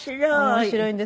面白いんです。